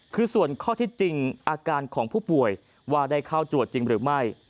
คือส่วนข้อที่จริงอาการของผู้ป่วยว่าได้เข้าตรวจจริงหรือไม่